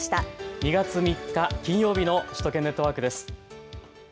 ２月３日、金曜日の首都圏ネットワークです。